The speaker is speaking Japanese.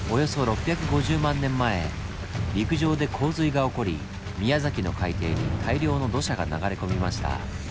陸上で洪水が起こり宮崎の海底に大量の土砂が流れ込みました。